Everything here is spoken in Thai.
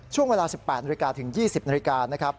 ช่วงเวลา๑๘นถึง๒๐นนะครับ